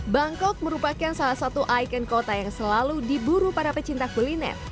bangkok merupakan salah satu ikon kota yang selalu diburu para pecinta kuliner